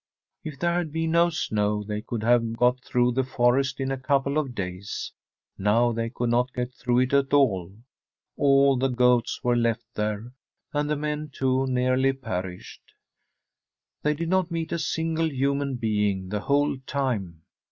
If there had been no snow, they could have got through the forest in a couple of days; now they could not get through it at all. All the goats were left there, and the men too nearly perished. They did not meet a single human being the whole time.